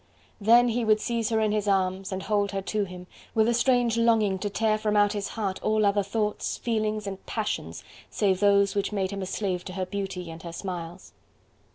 Then he would seize her in his arms, and hold her to him, with a strange longing to tear from out his heart all other thoughts, feelings and passions save those which made him a slave to her beauty and her smiles.